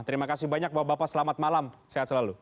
terima kasih banyak bapak bapak selamat malam sehat selalu